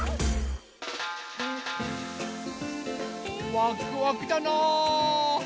ワクワクだなぁ。